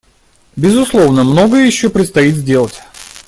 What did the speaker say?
Безусловно, многое еще предстоит сделать.